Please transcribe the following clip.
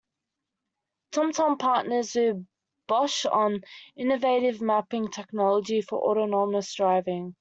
TomTom partners with Bosch on innovative mapping technology for Autonomous Driving.